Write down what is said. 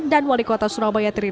dan wali kota surabaya tiriten